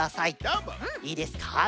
いいですか？